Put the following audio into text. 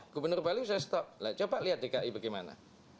gubernur bali sudah stop coba lihat dki bagaimana